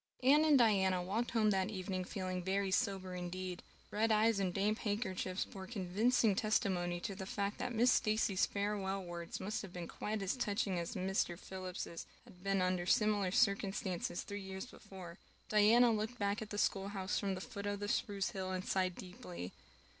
Anne and Diana walked home that evening feeling very sober indeed. Red eyes and damp handkerchiefs bore convincing testimony to the fact that Miss Stacy's farewell words must have been quite as touching as Mr. Phillips's had been under similar circumstances three years before. Diana looked back at the schoolhouse from the foot of the spruce hill and sighed deeply.